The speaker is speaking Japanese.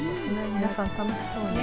皆さん楽しそうに。